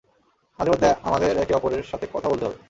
মাঝেমধ্যে আমাদের একে অপরের সাথে কথা বলতে হবে!